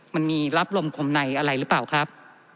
มันมีรับลมคมในอะไรหรือเปล่าครับ